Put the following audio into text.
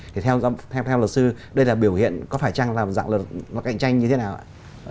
thì theo luật sư đây là biểu hiện có phải chăng là dạng luật nó cạnh tranh như thế nào ạ